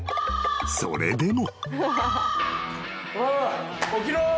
［それでも］